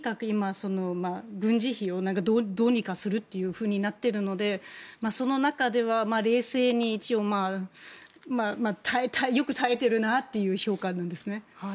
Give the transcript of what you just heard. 今、軍事費をどうにかするってなっているのでその中では冷静に一応よく耐えてるなという評価なんですね。